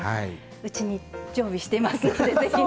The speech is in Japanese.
うちに常備していますので是非。